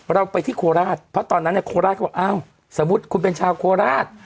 เราไปที่โคราชเพราะตอนนั้นเนี่ยโคราชเขาบอกอ้าวสมมุติคุณเป็นชาวโคราช